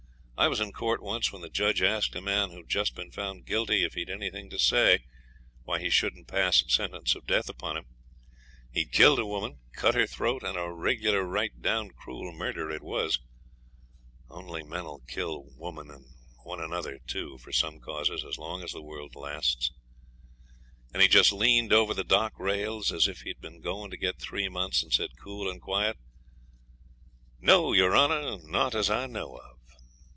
I was in court once when the judge asked a man who'd just been found guilty if he'd anything to say why he shouldn't pass sentence of death upon him. He'd killed a woman, cut her throat, and a regular right down cruel murder it was (only men 'll kill women and one another, too, for some causes, as long as the world lasts); and he just leaned over the dock rails, as if he'd been going to get three months, and said, cool and quiet, 'No, your Honour; not as I know of.'